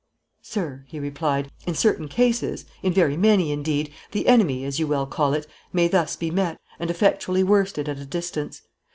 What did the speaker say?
"Sir," he replied, "in certain cases in very many, indeed the enemy, as you well call it, may thus be met, and effectually worsted at a distance.